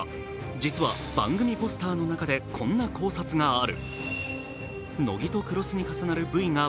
実は番組ポスターの中でこんな考察がある。